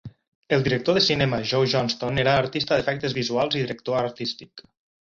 El director de cinema Joe Johnston era artista d'efectes visuals i director artístic.